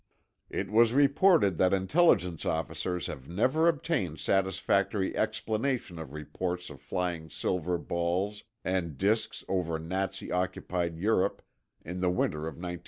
It was reported that Intelligence officers have never obtained satisfactory explanation of reports of flying silver balls and disks over Nazi occupied Europe in the winter of 1944 45.